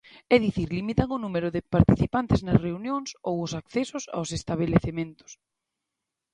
É dicir, limitar o número de participantes nas reunións ou os accesos aos estabelecementos.